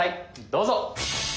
どうぞ！